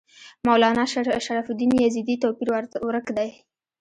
مولنا شرف الدین یزدي توپیر ورک دی.